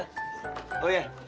hah oh ya